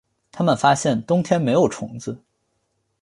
他们发现冬天没有虫子